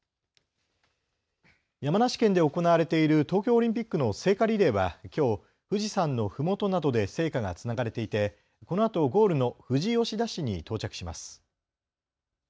山梨県で行われている東京オリンピックの聖火リレーはきょう、富士山のふもとなどで聖火がつながれていて、このあとゴールの富士吉田市に到着します。